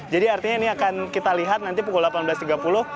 jadi artinya ini akan kita lihat nanti pukul delapan belas tiga puluh